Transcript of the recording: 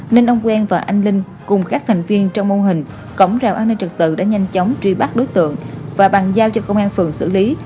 nên ông quen và anh linh cùng các thành viên trong mô hình cổng rào an ninh trật tự đã nhanh chóng truy bắt đối tượng và bàn giao cho công an phường xử lý